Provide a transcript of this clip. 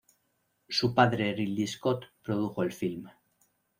Su padre Ridley Scott produjo el film.